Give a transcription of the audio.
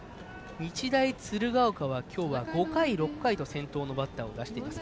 日大鶴ヶ丘は今日は、５回、６回と先頭のバッターを出しています。